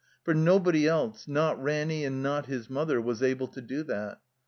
For nobody else, not Ranny, and not his mother, was able to do that.